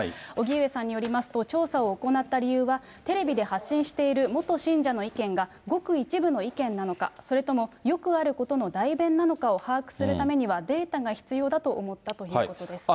荻上さんによりますと、調査を行った理由は、テレビで発信している元信者の意見がごく一部の意見なのか、それともよくあることの代弁なのかを把握するためにはデータが必要だと思ったということです。